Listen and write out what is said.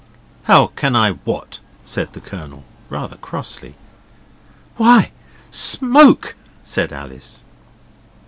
'How can I WHAT?' said the Colonel, rather crossly. 'Why, SMOKE?' said Alice.